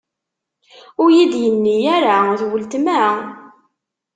Ur iyi-d-inni ara: D ultma?